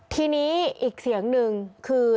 ทีนี้อีกเสียงหนึ่งคือ